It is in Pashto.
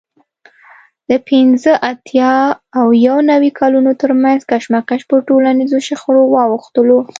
د پینځه اتیا او یو نوي کالونو ترمنځ کشمکش پر ټولنیزو شخړو واوښتلو